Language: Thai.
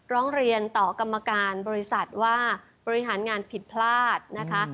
ร้องเรียนต่อกรรมการบริษัทว่าบริหารงานผิดพลาดนะคะ